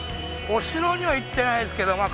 お城には行ってないですけど